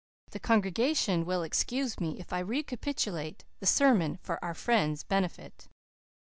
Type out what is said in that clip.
The congregation will excuse me if I recapitulate the sermon for our friend's benefit.